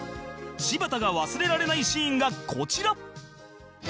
柴田が忘れられないシーンがこちら